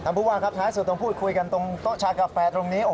ผู้ว่าครับท้ายสุดต้องพูดคุยกันตรงโต๊ะชากาแฟตรงนี้